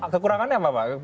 kekurangannya apa pak